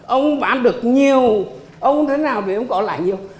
ông bán được nhiều ông thế nào thì ông có lãi nhiều